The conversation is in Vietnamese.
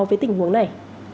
với tình huống này